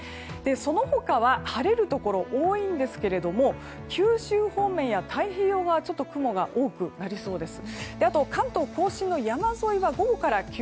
その他は晴れるところ多いんですけど九州方面や太平洋側はちょっと雲が多くなりそうです。